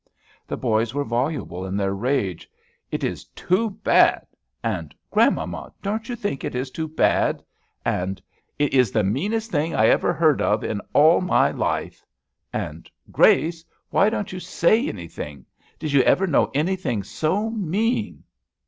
The boys were voluble in their rage: "It is too bad!" and, "Grandmamma, don't you think it is too bad?" and, "It is the meanest thing I ever heard of in all my life!" and, "Grace, why don't you say anything? did you ever know anything so mean?"